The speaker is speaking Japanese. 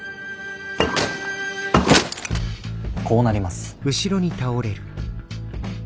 こうなります。